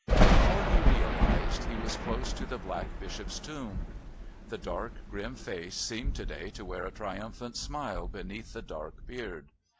Before he realised, he was close to the Black Bishop's Tomb. The dark grim face seemed to day to wear a triumphant smile beneath the black beard.